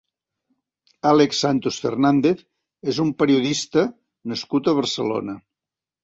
Àlex Santos Fernández és un periodista nascut a Barcelona.